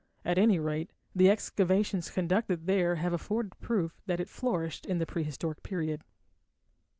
At any rate, the excavations conducted there have afforded proof that it flourished in the prehistoric period.